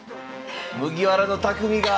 麦わらの匠が！